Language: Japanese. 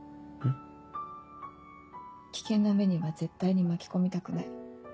「危険な目には絶対に巻き込みたくない」。